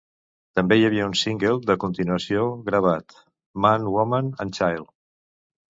També hi havia un single de continuació gravat: "Man, Woman and Child".